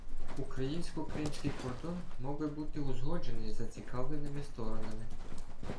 Українсько-кримський кордон мав би бути узгоджений зацікавленими сторонами.